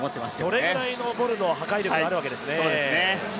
それぐらいのボルの破壊力もあるんですね。